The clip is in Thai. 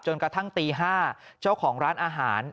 กระทั่งตี๕เจ้าของร้านอาหาร